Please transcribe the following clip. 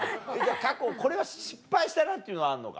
過去これは失敗したなっていうのはあんのか？